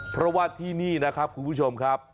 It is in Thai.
เพราะว่าที่นี่นะครับคุณผู้ชมครับ